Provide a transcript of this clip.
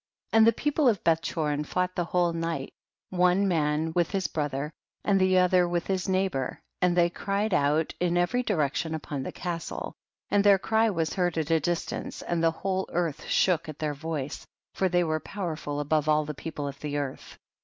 . 7. And the people of Bethchorin fought the whole night, one man with his brother, and the other with his neighbor, and they cried out in every direction upon the castle, and their cry was heard at a distance, and the whole earth shook at their voice, for they were powerful above all the people of the earth.